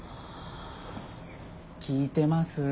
聞いてます？